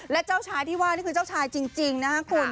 และเจ้าชายที่ว่านี่คือเจ้าชายจริงนะครับคุณ